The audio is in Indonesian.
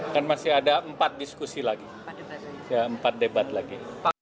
kan masih ada empat diskusi lagi empat debat lagi